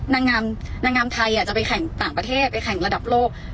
นางงามไทยจะไปแข่งต่างประเทศไปแข่งระดับโลก